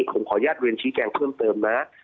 ผมขออนุญาตเรียนชี้แจงเพิ่มเติมนะ